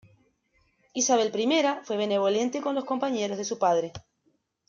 Isabel I fue benevolente con los compañeros de su padre.